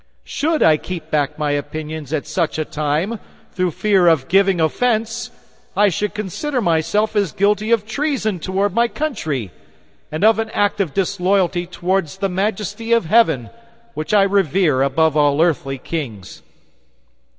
Should I keep back my opinions at such a time, through fear of giving offense, I should consider myself as guilty of treason towards my country, and of an act of disloyalty toward the Majesty of Heaven, which I revere above all earthly kings.